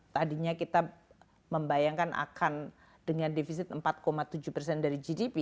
tadinya kita membayangkan akan dengan defisit empat tujuh persen dari gdp